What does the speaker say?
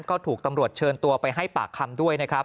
ก็ถูกตำรวจเชิญตัวไปให้ปากคำด้วยนะครับ